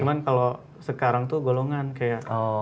cuman kalau sekarang tuh golongan kayak